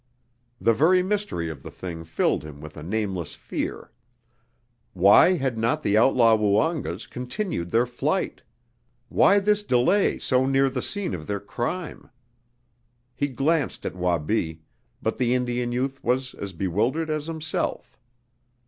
The very mystery of the thing filled him with a nameless fear. Why had not the outlaw Woongas continued their flight? Why this delay so near the scene of their crime? He glanced at Wabi, but the Indian youth was as bewildered as himself.